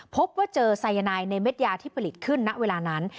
พบว่าเจอสายนายในเม็ดยาที่ผลิตขึ้นณเวลานั้น